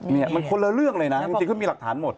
เนี่ยมันคนละเรื่องเลยนะจริงเขามีหลักฐานหมด